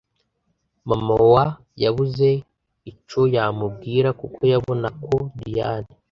Mama wa yabuze icoyomubwira kuko yabonako Diane